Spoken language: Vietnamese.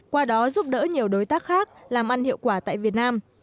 qua đó giúp đỡ nhiều đối tác khác làm ăn hiệu quả tại việt nam